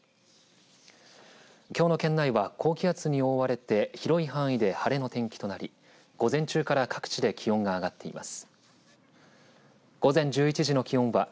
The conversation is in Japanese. きょうの県内は高気圧に覆われて広い範囲で晴れの天気となり午前中から各地で気温が上がっています。